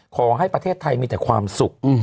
ขอให้ประเทศไทยมีแต่ความสุข